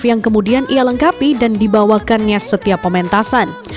yang kemudian ia lengkapi dan dibawakannya setiap pementasan